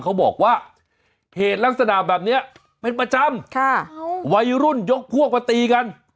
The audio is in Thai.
เขาบอกว่าเหตุลักษณะแบบเนี้ยเป็นประจำค่ะวัยรุ่นยกพวกมาตีกัน